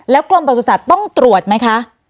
แล้วกรมประสุทธิศัตริย์ต้องตรวจไหมคะ